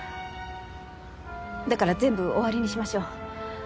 だから全部終わりにしましょう。